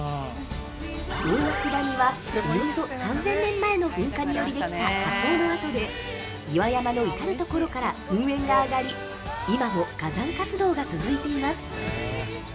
◆大涌谷はおよそ３０００年前の噴火によりできた火口の跡で岩山の至るところから噴煙が上がり今も火山活動が続いています。